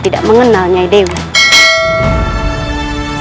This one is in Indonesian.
tidak bisa dibiarkan